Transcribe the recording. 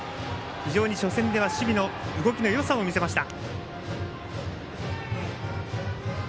非常に初戦では守備の動きのよさを見せました。